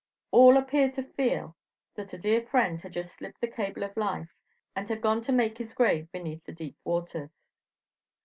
All appeared to feel that a dear friend had just slipped the cable of life, and had gone to make his grave beneath the deep waters.